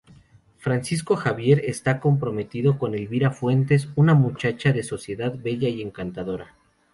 Francisco Javier está comprometido con Elvira Fuentes, una muchacha de sociedad bella y encantadora.